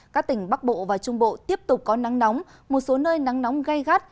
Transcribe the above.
các tỉnh bắc bộ và trung bộ tiếp tục có nắng nóng một số nơi nắng nóng gây gắt